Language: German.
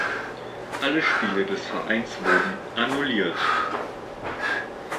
Alle Spiele des Vereins wurden annulliert.